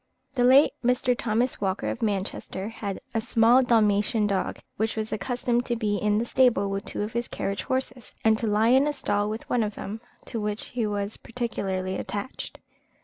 The late Mr. Thomas Walker, of Manchester, had a small Dalmatian dog, which was accustomed to be in the stable with two of his carriage horses, and to lie in a stall with one of them, to which he was particularly attached.